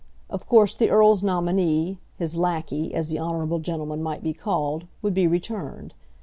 Of course the Earl's nominee, his lacquey, as the honourable gentleman might be called, would be returned.